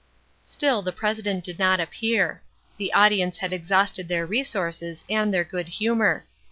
Still the president did not appear. The audience had exhausted their resources and their good humor.